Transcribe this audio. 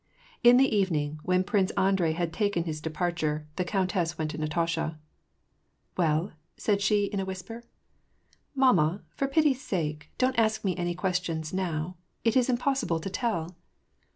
In the evening, when Prince Andrei had taken his depart ure, the countess went to Natasha. " Well ?" said she in a whisper. ''Mamma, for pity's sake, don't ask me any questions now. It is impossible to tell."